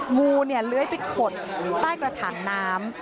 งูเล้ยไปขดใต้กระถางน้ำ